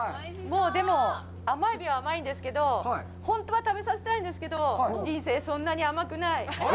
でも、甘えびは甘いんですけど、本当は食べさせたいんですけど、人生、そんなに甘くない。